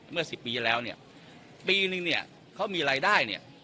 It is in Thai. เมื่อ๑๐ปีที่แล้วเนี่ยปีนึงเนี่ยเขามีรายได้เนี่ย